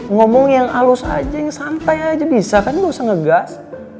ngomong yang halus aja yang santai aja bisa kan nggak usah ngegas